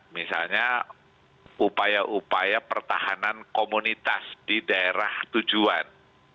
misalnya upaya upaya pertahanan komunitas di daerah tujuan